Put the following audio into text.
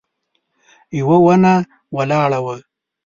يوه ونه ولاړه وه.